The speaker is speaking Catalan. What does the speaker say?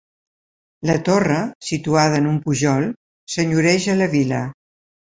La torre, situada en un pujol, senyoreja la vila.